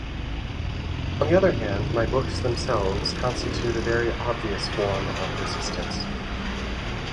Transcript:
On the other hand, my books themselves constitute a very obvious form of resistance.